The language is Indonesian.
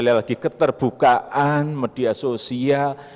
sekali lagi keterbukaan media sosial